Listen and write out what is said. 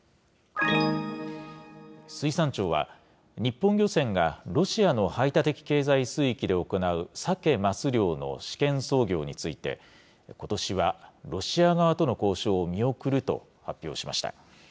水産庁は、日本漁船がロシアの排他的経済水域で行うサケ・マス漁の試験操業について、ことしはロシア側との交渉を見送ると発表しました。